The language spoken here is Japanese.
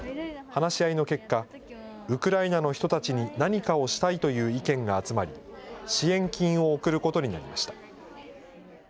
話し合いの結果、ウクライナの人たちに何かをしたいという意見が集まり、支援金を送ることになりました。